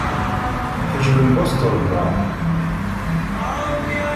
Tejjmem Boston, naɣ?